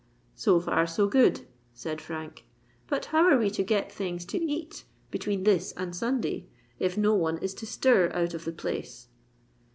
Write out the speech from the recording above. "So far, so good," said Frank. "But how are we to get things to eat between this and Sunday, if no one is to stir out of the place?"